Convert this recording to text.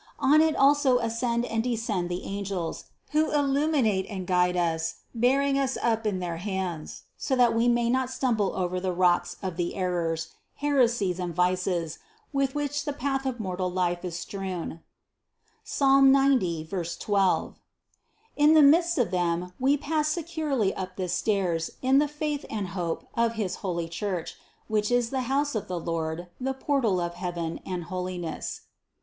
On it also ascend and descend the angels, who illuminate and guide us, bearing us up in their hands, so that we may not stumble over the rocks of the errors, heresies, and vices, with which the path of mortal life is strewn (Ps. 90, 12). In the midst of them we pass securely up this stairs in the faith and hope of his holy Church, which is the house of the Lord, the portal of heaven and holiness.